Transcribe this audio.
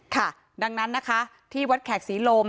ค่ะดังนั้นนะคะที่วัดแขกศรีลม